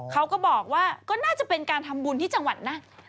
เขาก็บอกว่าก็น่าจะเป็นการทำบุญที่จังหวัดนะ